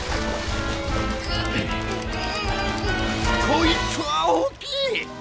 こいつは大きい！